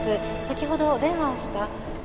先ほどお電話をした。